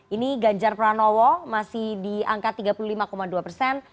ini ganjar pranowo masih di angka tiga puluh lima dua persen